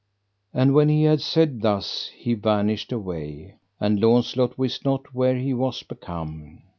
And when he had said thus he vanished away, and Launcelot wist not where he was become.